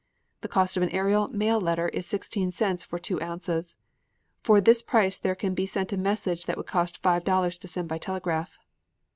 The cost of an aerial mail letter is sixteen cents for two ounces. For this price there can be sent a message that would cost five dollars to send by telegraph.